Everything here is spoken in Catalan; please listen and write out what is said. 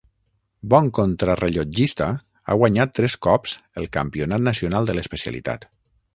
Bon contrarellotgista, ha guanyat tres cops el Campionat nacional de l'especialitat.